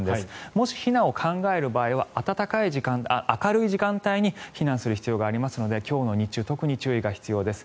もし避難を考える場合は明るい時間帯に避難する必要がありますので今日の日中特に注意が必要です。